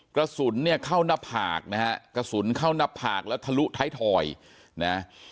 กระสุนเนี่ยเข้าหน้าผากนะฮะกระสุนเข้าหน้าผากแล้วทะลุท้ายทอยนะ